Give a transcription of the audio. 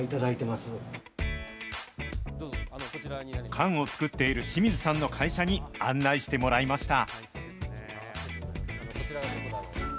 缶を作っている清水さんの会社に案内してもらいました。